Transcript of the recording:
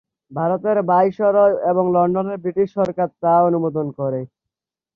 ভারতের ভাইসরয় এবং লন্ডনের ব্রিটিশ সরকার তা অনুমোদন করে।